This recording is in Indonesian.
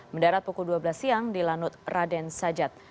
mendarat pukul dua belas siang di lanut raden sajat